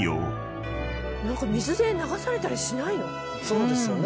そうですよね。